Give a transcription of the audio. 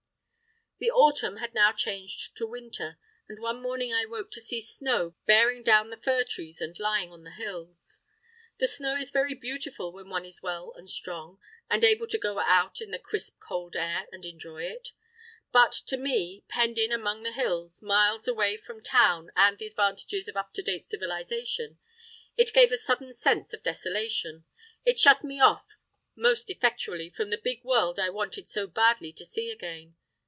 The autumn had now changed to winter, and one morning I woke to see snow bearing down the fir trees and lying on the hills. The snow is very beautiful when one is well and strong, and able to go out in the crisp cold air and enjoy it; but to me, penned in among the hills, miles away from town and the advantages of up to date civilisation, it gave a sudden sense of desolation. It shut me off most effectually from the big world I wanted so badly to see again.